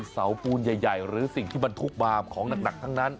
เสาปูนใหญ่หรือสิ่งที่บรรทุกมาของหนักทั้งนั้น